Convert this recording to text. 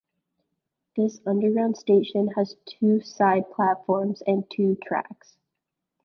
This underground station has two side platforms and two tracks.